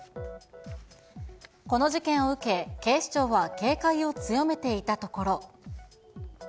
この事件を受け、警視庁は警戒を強めていたところ。